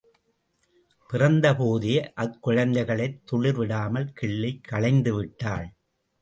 பிறந்தபோதே அக்குழந்தைகளைத் துளிர்விடாமல் கிள்ளிக் களைந்து விட்டாள்.